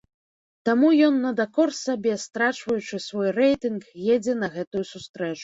Таму ён на дакор сабе, страчваючы свой рэйтынг, едзе на гэтую сустрэчу.